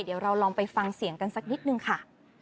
เดี๋ยวเราลองไปฟังเสียงกันสักนิดนึงค่ะ